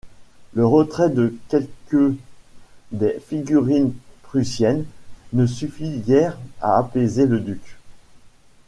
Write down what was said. Le retrait de quelque des figurines prussiennes, ne suffit guère à apaiser le Duc.